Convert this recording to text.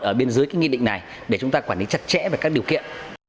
ở bên dưới cái nghị định này để chúng ta quản lý chặt chẽ về các điều kiện